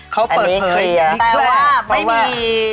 เขาอันนี้เคลียร์แต่ว่าไม่มี